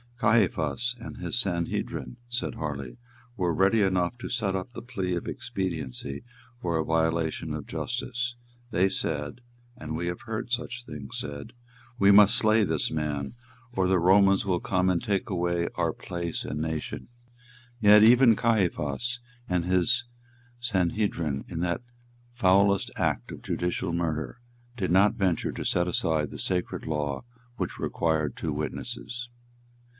"Caiaphas and his Sanhedrim," said Harley, "were ready enough to set up the plea of expediency for a violation of justice; they said, and we have heard such things said, 'We must slay this man, or the Romans will come and take away our place and nation.' Yet even Caiaphas and his Sanhedrim, in that foulest act of judicial murder, did not venture to set aside the sacred law which required two witnesses."